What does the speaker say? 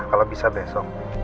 kalau bisa besok